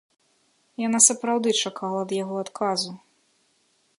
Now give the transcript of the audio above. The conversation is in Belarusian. Яна сапраўды чакала ад яго адказу.